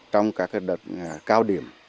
trong các đợt cao điểm